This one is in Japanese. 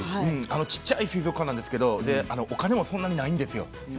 小さい水族館なんですけれども他にもそんなにないんですよ。